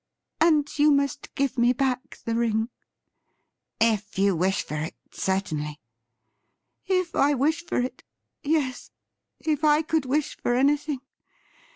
And you must give me back the ring.' ' If you wish for it, certainly.' ' If I wish for it ! Yes. If I could wish for anything